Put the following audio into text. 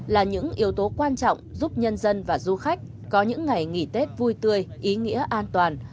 là những yếu tố quan trọng giúp nhân dân và du khách có những ngày nghỉ tết vui tươi ý nghĩa an toàn